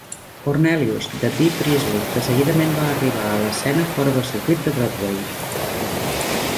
"Cornelius" de B. Priestley, que seguidament va arribar a l'escena fora del circuit de Broadway.